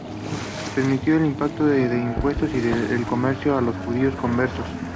Se permitió el impago de impuestos y el comercio a los judíos conversos.